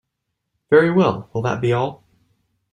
Very well, will that be all?